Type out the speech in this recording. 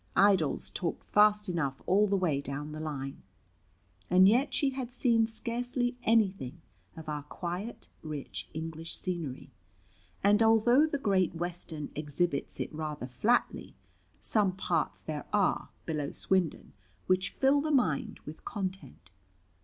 Idols talked fast enough all the way down the line. As yet she had seen scarcely anything of our quiet, rich English scenery; and although the Great Western exhibits it rather flatly, some parts there are, below Swindon, which fill the mind with content.